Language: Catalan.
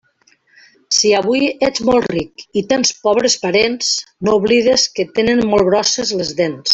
Si avui ets molt ric i tens pobres parents, no oblides que tenen molt grosses les dents.